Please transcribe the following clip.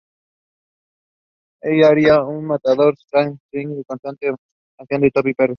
Ella haría un matador Stevie Nicks en contraste a mi canción como Tom Petty.